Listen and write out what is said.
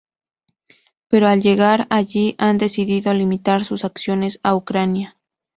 Pero al llegar allí han decidido limitar sus acciones a Ucrania.